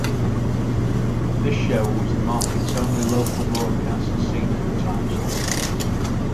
This show was the market's only local broadcast seen in the time slot.